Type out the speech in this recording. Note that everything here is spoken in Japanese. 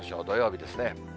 土曜日ですね。